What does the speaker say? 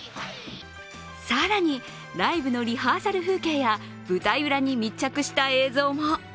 更にライブのリハーサル風景や舞台裏に密着した映像も。